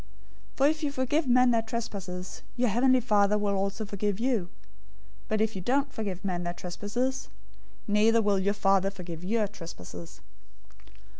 "}' 006:014 "For if you forgive men their trespasses, your heavenly Father will also forgive you. 006:015 But if you don't forgive men their trespasses, neither will your Father forgive your trespasses.